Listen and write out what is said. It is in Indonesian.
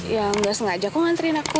yang gak sengaja aku ngantriin aku